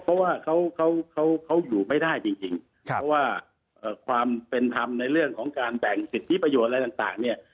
เพราะว่าเขาเขาอยู่ไม่ได้จริงเพราะว่าความเป็นธรรมในเรื่องของการแบ่งสิทธิประโยชน์อะไรต่างเนี่ย